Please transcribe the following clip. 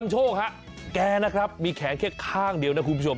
โชคฮะแกนะครับมีแขนแค่ข้างเดียวนะคุณผู้ชม